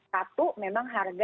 satu memang harga